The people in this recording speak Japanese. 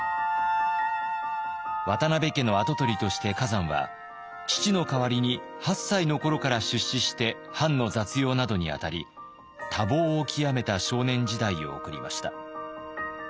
渡辺家の跡取りとして崋山は父の代わりに８歳の頃から出仕して藩の雑用などに当たり多忙を極めた少年時代を送りました。